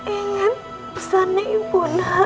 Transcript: ingin pesan ibu